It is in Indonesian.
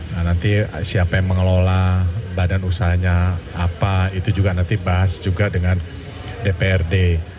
nah nanti siapa yang mengelola badan usahanya apa itu juga nanti bahas juga dengan dprd